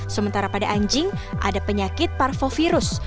sementara pada anjing ada penyakit parvovirus